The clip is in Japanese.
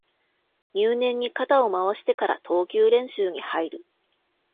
入念に肩を回してから投球練習に入る